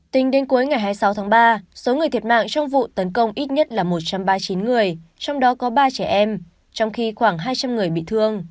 tính đến cuối ngày hai mươi sáu tháng ba số người thiệt mạng trong vụ tấn công ít nhất là một trăm ba mươi chín người trong đó có ba trẻ em trong khi khoảng hai trăm linh người bị thương